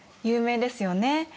有名ですよね。